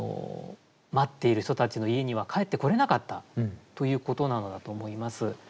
待っている人たちの家には帰ってこれなかったということなのだと思います。